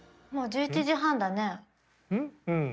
うん？